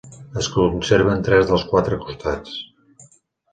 Es conserven tres dels quatre costats.